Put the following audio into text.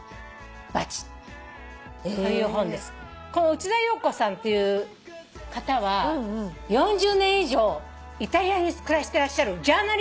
内田洋子さんっていう方は４０年以上イタリアに暮らしてらっしゃるジャーナリストの方なの。